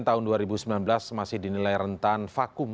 tahun dua ribu sembilan belas masih dinilai rentan vakum